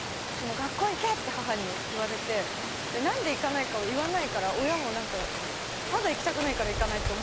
「学校へ行け！」って母に言われてで何で行かないかを言わないから親も何かただ行きたくないから行かないって思ってたと思うんですよね。